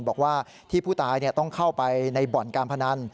บอกว่าที่ผู้ตายต้องเข้าไปในบ่อนการพนัน